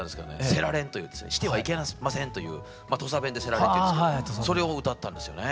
「せられん」という「してはいけません」という土佐弁で「せられん」と言うんですけどそれを歌ったんですよね。